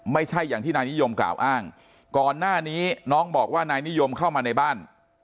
ไม่ใช่อย่างที่นายนิยมกล่าวอ้างก่อนหน้านี้น้องบอกว่านายนิยมเข้ามาในบ้าน